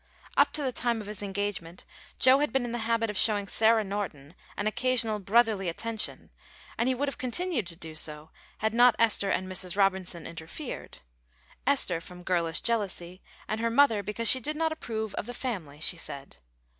Up to the time of his engagement Joe had been in the habit of showing Sarah Norton an occasional brotherly attention, and he would have continued to do so had not Esther and Mrs. Robinson interfered Esther from girlish jealousy, and her mother because she did not approve of the family, she said.